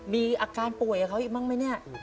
มีอาการป่วยกับเขาอีกบ้างไหมเนี่ย